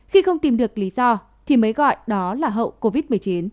khi không tìm được lý do thì mới gọi đó là hậu covid một mươi chín